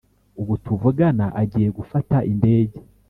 Ubu tuvugana agiye gufata indege